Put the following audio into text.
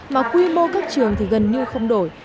mà quy mô các trường thì gần như không đổi